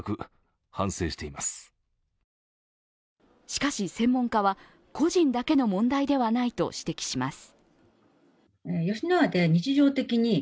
しかし専門家は、個人だけの問題ではないと指摘します。